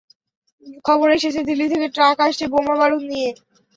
খবর এসেছে, দিল্লি থেকে ট্রাক আসছে বোমা-বারুদ নিয়ে।